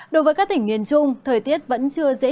đối với các tỉnh nguyên trung thời tiết vẫn chưa giảm